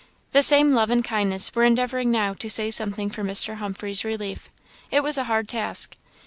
The same love and kindness were endeavouring now to say something for Mr. Humphreys' relief; it was a hard task.